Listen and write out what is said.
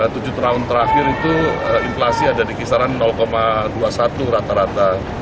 tujuh tahun terakhir itu inflasi ada di kisaran dua puluh satu rata rata